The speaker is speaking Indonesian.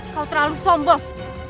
kau terlalu sombong